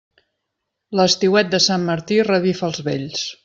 L'estiuet de sant Martí revifa els vells.